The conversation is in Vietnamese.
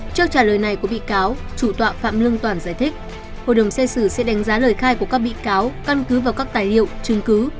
trước trả lời này của bị cáo chủ tọa phạm lương toản giải thích hội đồng xét xử sẽ đánh giá lời khai của các bị cáo căn cứ vào các tài liệu chứng cứ